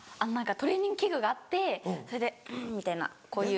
トレーニング器具があってそれでうんみたいなこういう。